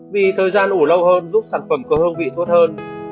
vì thời gian ủ lâu hơn giúp sản phẩm có hương vị tốt hơn